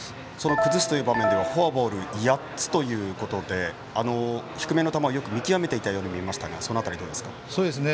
崩すという場面ではフォアボール８つということで低めの球をよく見極めていたように見えましたがその辺りはどうですか？